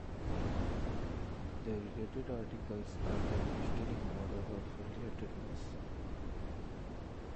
The related articles are then listed in order of "relatedness".